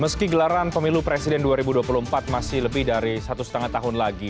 meski gelaran pemilu presiden dua ribu dua puluh empat masih lebih dari satu setengah tahun lagi